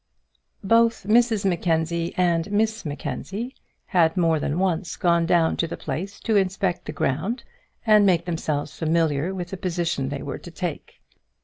Both Mrs Mackenzie and Miss Mackenzie had more than once gone down to the place to inspect the ground and make themselves familiar with the position they were to take.